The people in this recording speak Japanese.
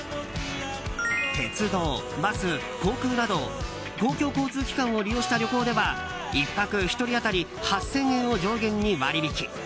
鉄道・バス・航空など公共交通機関を利用した旅行では１泊１人当たり８０００円を上限に割引き。